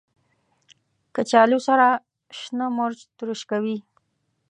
کچالو سره شنه مرچ تروش کوي